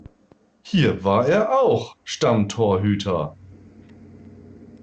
Hier war er auch Stammtorhüter.